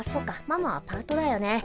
ママはパートだよね。